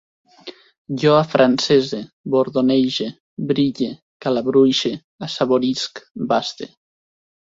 Jo afrancese, bordonege, brille, calabruixe, assaborisc, baste